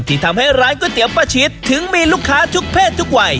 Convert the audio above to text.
ที่ทำให้ร้านก๋วยเตี๋ยป้าชิดถึงมีลูกค้าทุกเพศทุกวัย